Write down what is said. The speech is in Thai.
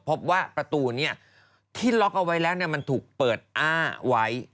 พบว่าประตูนี้ที่ล็อกเอาไว้แล้วมันถูกเปิดอ้าไว้